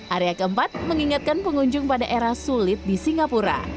area keempat mengingatkan pengunjung pada era sulit di singapura